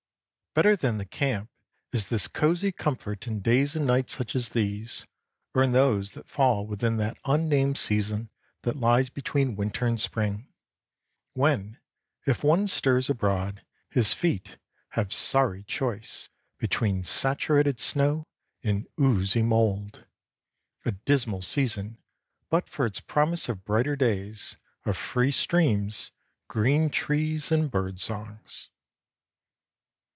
Better than the camp, is this cosy comfort in days and nights such as these, or in those that fall within that unnamed season that lies between winter and spring, when, if one stirs abroad, his feet have sorry choice between saturated snow and oozy mould, a dismal season but for its promise of brighter days, of free streams, green trees, and bird songs.